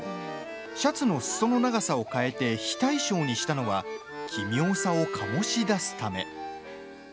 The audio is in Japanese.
シャツのすその長さを変えて非対称にしたのは奇妙さを醸し出すため。